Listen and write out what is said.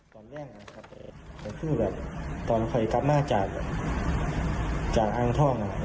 ตอนแรกตอนคอยกลับมาจากอ้างท่อง